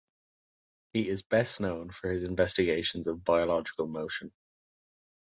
He is best known for his investigations of biological motion.